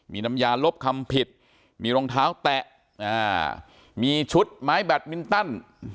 มีน้ำยาลบคำผิดมีรองเท้าแตะมีชุดไม้แบตมินตัน